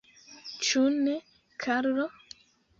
Ĉu ne, Karlo?